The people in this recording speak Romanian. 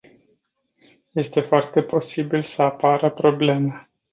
Este foarte posibil să apară probleme.